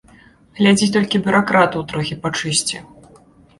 Глядзі толькі бюракратаў трохі пачысці.